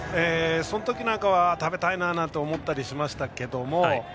そのときは食べたいななんて思ったりしましたけども。